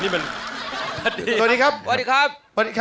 ไม่เอามวก